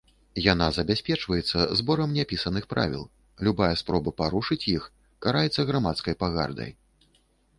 Яна забяспечваецца зборам няпісаных правіл, любая спроба парушыць іх караецца грамадскай пагардай.